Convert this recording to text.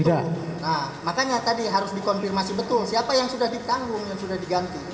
nah makanya tadi harus dikonfirmasi betul siapa yang sudah ditanggung yang sudah diganti